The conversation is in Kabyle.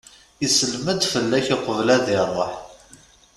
Isellem-d fell-ak uqbel ad iruḥ.